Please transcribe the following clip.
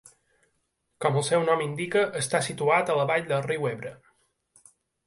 Com el seu nom indica està situat a la vall del riu Ebre.